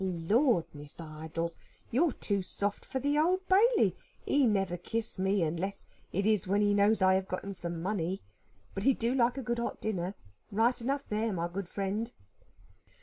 "Lor, Miss Idols, you are too soft for the Old Bailey. He never kiss me, unless it is when he knows I have got some money. But he do like a good hot dinner. Right enough there, my good friend."